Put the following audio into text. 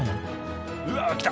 うわ来た！